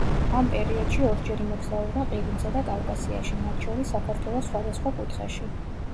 ამ პერიოდში ორჯერ იმოგზაურა ყირიმსა და კავკასიაში, მათ შორის საქართველოს სხვადასხვა კუთხეში.